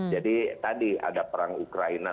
jadi tadi ada perang ukraina